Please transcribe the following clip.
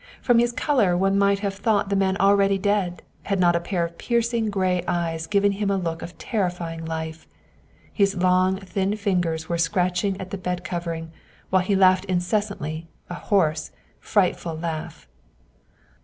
From his color one might have thought the man already dead, had not a pair of piercing gray eyes given him a look of terrify ing life. His long, thin fingers were scratching at the bed covering, while he laughed incessantly, a hoarse, frightful laugh.